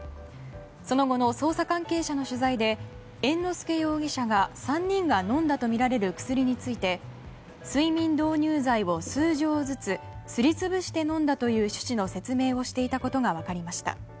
その後の捜査関係者への取材で猿之助容疑者が３人が飲んだとみられる薬について睡眠導入剤を数錠ずつすり潰して飲んだという趣旨の説明をしていたことが分かりました。